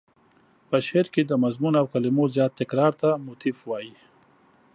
په شعر کې د مضمون او کلمو زیات تکرار ته موتیف وايي.